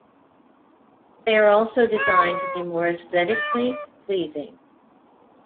They are also designed to be more aesthetically pleasing.